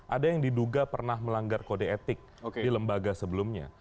ada yang diduga pernah melanggar kode etik di lembaga sebelumnya